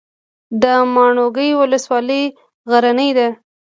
د ماڼوګي ولسوالۍ غرنۍ ده